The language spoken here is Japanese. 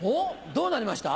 どうなりました？